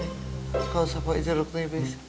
enggak usah pakai jeruk nipis